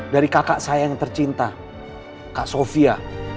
dari kakak saya yang tercinta kak sofia